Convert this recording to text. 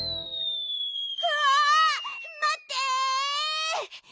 わあまって！